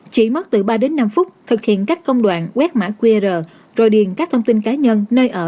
chỉ mất từ ba đến năm phút thực hiện các công đoạn quét mã qr rồi điền các thông tin cá nhân nơi ở